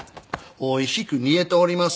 おいしく煮えております。